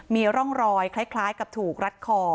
มีร่องรอยคล้ายกับถูกรัดคอ